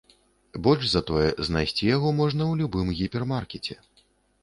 Больш за тое, знайсці яго можна ў любым гіпермаркеце.